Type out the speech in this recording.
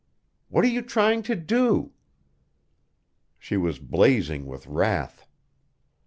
What are you trying to do?" She was blazing with wrath.